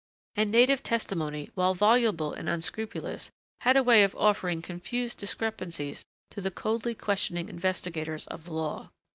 And native testimony, while voluable and unscrupulous, had a way of offering confused discrepancies to the coldly questioning investigators of the law.